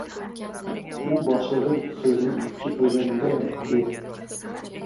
U boshlig‘ing so‘zini ikki qilganingdayam dedi.